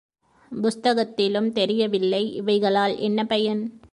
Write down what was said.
புஸ்தகத்திலும் தெரியவில்லை இவைகளால் என்ன பயன்?